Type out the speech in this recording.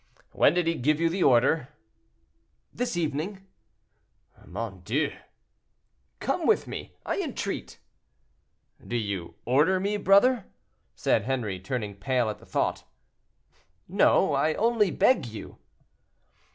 "When did he give you the order?" "This evening." "Mon Dieu!" "Come with me, I entreat." "Do you order me, brother?" said Henri, turning pale at the thought. "No; I only beg you."